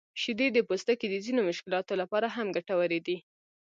شیدې د پوستکي د ځینو مشکلاتو لپاره هم ګټورې دي.